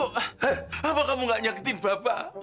apa kamu gak nyakitin bapak